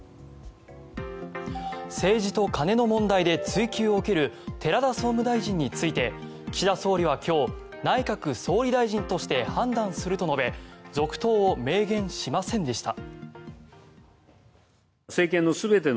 政治と金の問題で追及を受ける寺田総務大臣について岸田総理は今日内閣総理大臣として判断すると述べ続投を明言しませんでした。